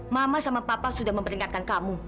mama sama papa sudah mempertingkatkan kamu